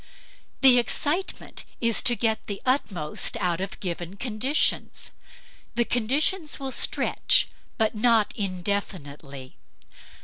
The excitement is to get the utmost out of given conditions; the conditions will stretch, but not indefinitely.